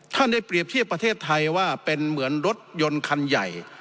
ได้เปรียบเทียบประเทศไทยว่าเป็นเหมือนรถยนต์คันใหญ่